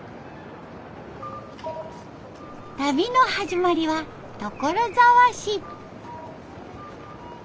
旅の始まりは所沢市。